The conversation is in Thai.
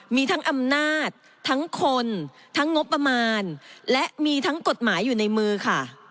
มีทั้งอำนาจทั้งคนทั้งงบประมาณและมีทั้งกฎหมายอยู่ในมือค่ะ